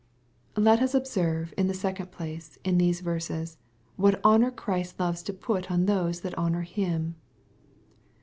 Let us observe, in the second place, in these verseS| what honor Christ loves to put on those that honor Him.